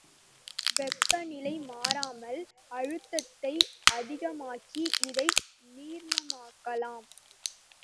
வெப்பநிலை மாறாமல் அழுத்தத்தை அதிகமாக்கி இதை நீர்மமாக்கலாம்.